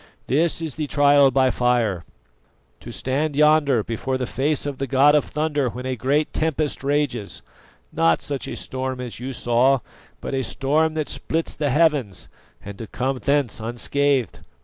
This is the trial by fire: to stand yonder before the face of the god of thunder when a great tempest rages not such a storm as you saw, but a storm that splits the heavens and to come thence unscathed.